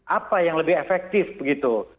apa yang lebih efektif begitu